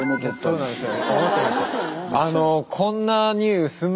そうなんですよ。